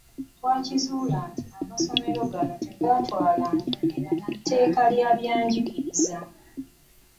Twakizuula nti amasomero gano tegatwala njogera na tteeka lya bannabyanjiriza.